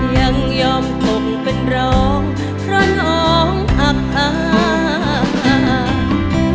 ยังย่อมกลงเป็นร้องเพราะน้องอากาศ